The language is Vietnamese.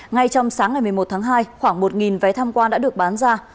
ngay trong sáng ngày một mươi một tháng hai khoảng một vé tham quan đã được bán ra